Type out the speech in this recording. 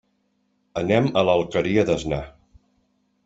Anem a l'Alqueria d'Asnar.